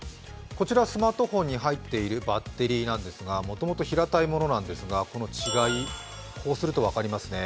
こちらスマートフォンに入っているバッテリーなんですがもともと平たいものなんですがこの違い、こうすると分かりますね。